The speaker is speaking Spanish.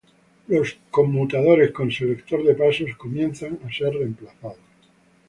Los conmutadores con selector de pasos empiezan a ser reemplazados.